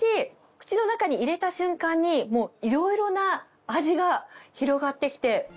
口の中に入れた瞬間にいろいろな味が広がって来て。